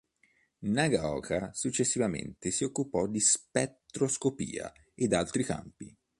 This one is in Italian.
Nagaoka successivamente si occupò di spettroscopia ed altri campi.